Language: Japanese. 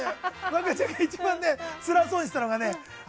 若ちゃんが一番つらそうにしてたのがね